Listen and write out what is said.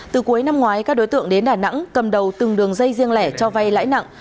từ cuối năm ngoái các đối tượng đến đà nẵng cầm đầu từng đường dây riêng lẻ cho vay lãi nặng